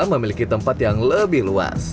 memiliki tempat yang lebih luas